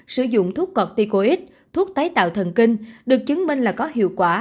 sử dụng thuốc corticoid thuốc tái tạo thần kinh được chứng minh là có hiệu quả